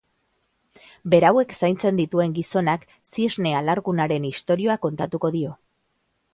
Berauek zaintzen dituen gizonak zisne alargunaren istorioa kontatuko dio.